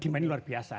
demandnya luar biasa